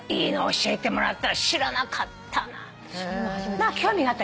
教えてもらった。